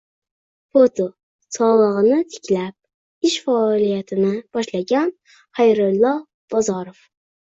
Foto: Sog‘lig‘ini tiklab, ish faoliyatini boshlagan Xayrullo Bozorov